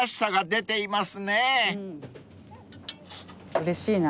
うれしいな。